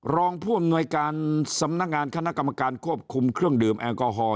รองผู้อำนวยการสำนักงานคณะกรรมการควบคุมเครื่องดื่มแอลกอฮอล